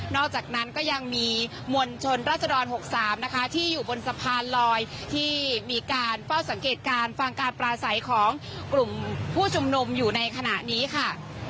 อกจากนั้นก็ยังมีมวลชนราชดร๖๓นะคะที่อยู่บนสะพานลอยที่มีการเฝ้าสังเกตการณ์ฟังการปลาใสของกลุ่มผู้ชุมนุมอยู่ในขณะนี้ค่ะ